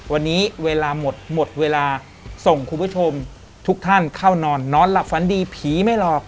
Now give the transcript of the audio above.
วันนี้เวลาหมดหมดเวลาส่งคุณผู้ชมทุกท่านเข้านอนนอนหลับฝันดีผีไม่หลอก